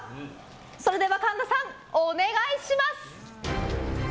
それでは神田さん、お願いします！